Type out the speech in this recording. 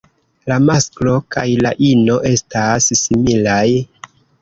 La masklo kaj la ino estas similaj.